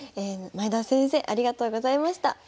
前田先生ありがとうございました。